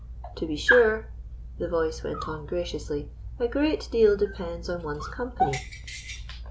"To be sure," the voice went on graciously, "a great deal depends on one's company."